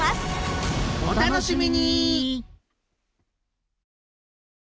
お楽しみに！